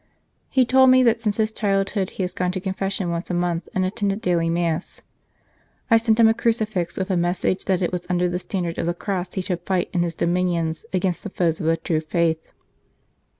He told me that since his childhood he has gone to confession once a month, and attended daily Mass. I sent him a crucifix, with a message that it was under the standard of the Cross he should fight in his dominions against the foes of the true Faith.